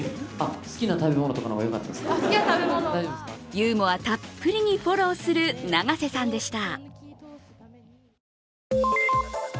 ユーモアたっぷりにフォローする永瀬さんでした。